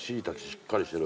しっかりしてる。